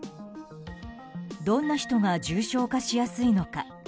どんな人が重症化しやすいのか。